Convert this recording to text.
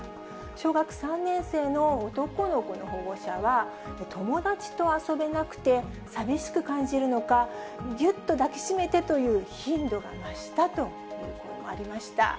小学３年生の男の子の保護者は、友達と遊べなくて寂しく感じるのか、ぎゅっと抱き締めてという頻度が増したという声もありました。